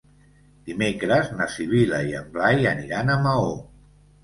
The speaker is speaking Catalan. Dimecres na Sibil·la i en Blai aniran a Maó.